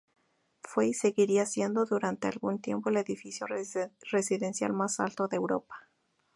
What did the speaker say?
Fue y seguiría siendo durante algún tiempo el edificio residencial más alto de Europa.